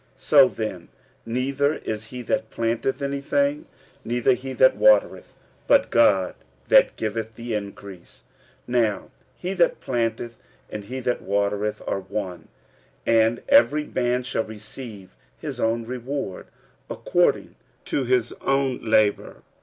46:003:007 So then neither is he that planteth any thing, neither he that watereth; but God that giveth the increase. 46:003:008 Now he that planteth and he that watereth are one: and every man shall receive his own reward according to his own labour.